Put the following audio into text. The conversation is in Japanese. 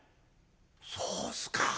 「そうっすか。